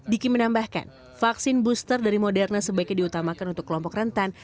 diki menambahkan vaksin booster dari moderna sebaiknya diubah